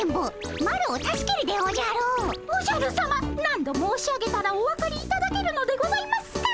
おじゃるさま何度申し上げたらお分かりいただけるのでございますか。